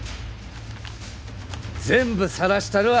全部さらしたるわ。